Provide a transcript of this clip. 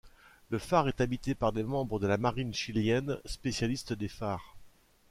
Le phare est habité par des membres de la marine chilienne, spécialistes des phares.